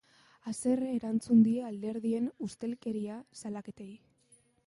Haserre erantzun die alderdien ustelkeria salaketei.